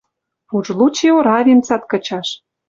«Уж лучи оравим цат кычаш